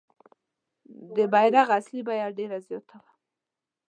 د بیرغ اصلي بیه ډېره زیاته وه.